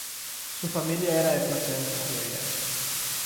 Su familia era de procedencia judía.